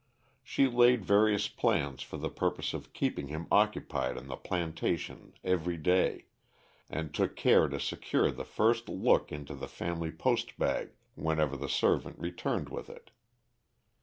She laid various plans for the purpose of keeping him occupied on the plantation every day, and took care to secure the first look into the family postbag whenever the servant returned with it.